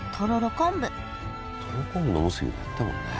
昆布とろろ昆布のおむすびもやったもんね。